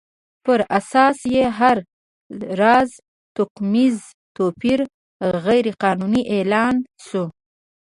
پر اساس یې هر راز توکمیز توپیر غیر قانوني اعلان شو.